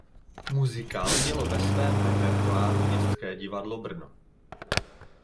Muzikál mělo ve svém repertoáru Městské divadlo Brno.